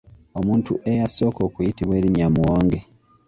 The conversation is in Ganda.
Omuntu eyasooka okuyitibwa erinnya Muwonge.